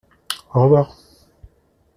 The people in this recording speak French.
Au revoir !